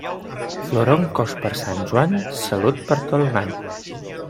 Floroncos per Sant Joan, salut per tot l'any.